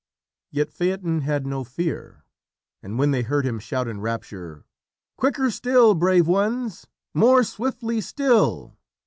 Yet Phaeton had no fear, and when they heard him shout in rapture, "Quicker still, brave ones! more swiftly still!"